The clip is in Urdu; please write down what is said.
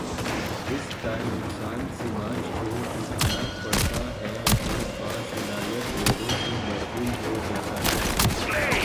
اس کا نقصان سماج کو اٹھا نا پڑتا ہے جو باصلاحیت لوگوں سے محروم ہو جا تا ہے۔